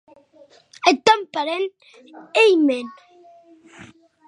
Eth tòn parent, hilh mèn.